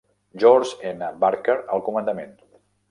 George N. Barker al comandament.